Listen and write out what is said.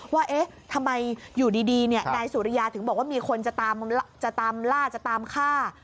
ว่าเอ๊ะทำไมอยู่ดีนายสุริยาถึงบอกว่ามีคนจะตามล่าจะตามฆ่า